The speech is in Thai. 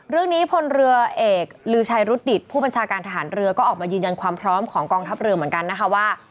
พลเรือเอกลือชัยรุดดิตผู้บัญชาการทหารเรือก็ออกมายืนยันความพร้อมของกองทัพเรือเหมือนกันนะคะว่า